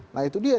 nah itu dia